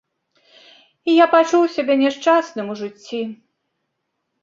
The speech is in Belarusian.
І я пачуў сябе няшчасным у жыцці.